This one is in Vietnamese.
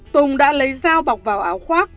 tùng đã lấy dao bọc vào áo khoác